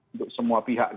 untuk semua pihak